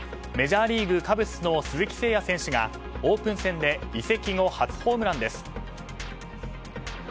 メジャーリーグカブスの鈴木誠也選手がオープン戦で移籍後初ホームランです。